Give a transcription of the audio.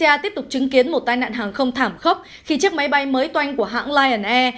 nga tiếp tục chứng kiến một tai nạn hàng không thảm khốc khi chiếc máy bay mới toanh của hãng lion air